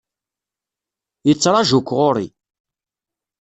Yettraju-k ɣur-i.